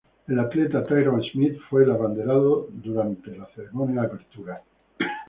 El atleta Tyrone Smith fue el abanderado de durante la ceremonia de apertura.